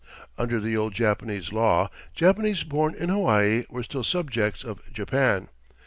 Under the old Japanese law Japanese born in Hawaii were still subjects of Japan.